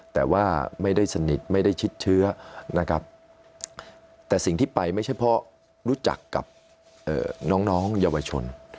แต่ว่าไม่ได้สนิทไม่ได้ชิดเชื้อนะครับแต่สิ่งที่ไปไม่ใช่เพราะรู้จักกับน้องเยาวชน